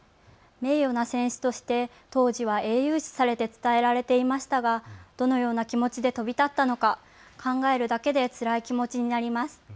名誉な戦死として当時は英雄視されて伝えられていましたがどのような気持ちで飛び立ったのか考えるだけでつらい気持ちになります。